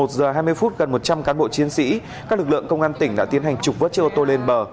trong lúc một mươi một h hai mươi phút gần một trăm linh cán bộ chiến sĩ các lực lượng công an tỉnh đã tiến hành trục vớt chiếc ô tô lên bờ